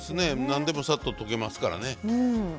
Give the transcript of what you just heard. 何でもさっと溶けますからね。